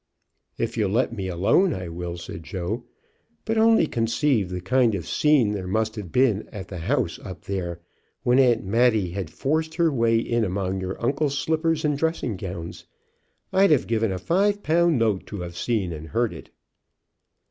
"If you'll let me alone I will," said Joe. "But only conceive the kind of scene there must have been at the house up there when Aunt Matty had forced her way in among your uncle's slippers and dressing gowns. I'd have given a five pound note to have seen and heard it."